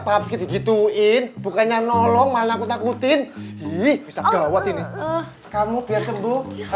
masalah gituin bukannya nolong malah aku takutin ih bisa gawat ini kamu biar sembuh